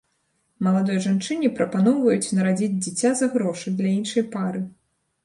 Маладой жанчыне прапаноўваюць нарадзіць дзіця за грошы для іншай пары.